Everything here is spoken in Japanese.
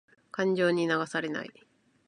感情に流されない。